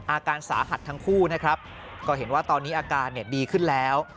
อาการสาหัสทั้งคู่นะครับก็เห็นว่าตอนนี้อาการดีขึ้นแล้ว